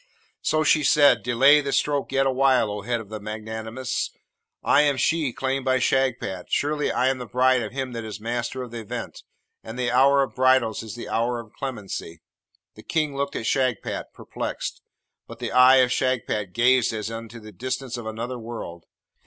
So she said, 'Delay the stroke yet awhile, O Head of the Magnanimous! I am she claimed by Shagpat; surely, I am bride of him that is Master of the Event, and the hour of bridals is the hour of clemency.' The King looked at Shagpat, perplexed; but the eye of Shagpat gazed as into the distance of another world.